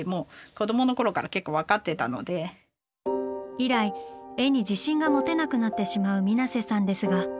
以来絵に自信が持てなくなってしまう水瀬さんですが。